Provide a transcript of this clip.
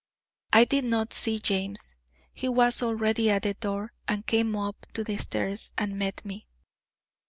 I did not see James; he was already at the door, and came up to the stairs, and met me.